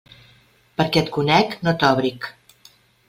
Perquè et conec, no t'òbric.